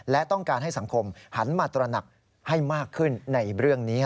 และต้องการให้สังคมหันมาตระหนักให้มากขึ้นในเรื่องนี้